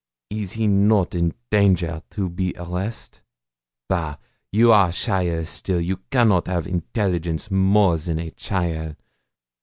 Is he not in danger to be arrest? Bah! You are cheaile still; you cannot have intelligence more than a cheaile.